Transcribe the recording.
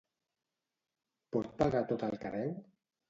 Pot pagar tot el que deu?